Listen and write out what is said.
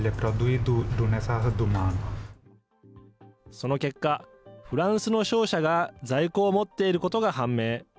その結果、フランスの商社が在庫を持っていることが判明。